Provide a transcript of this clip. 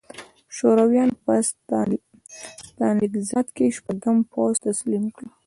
شورویانو په ستالینګراډ کې شپږم پوځ تسلیم کړ